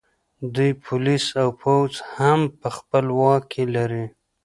دوی پولیس او پوځ هم په خپل واک کې لري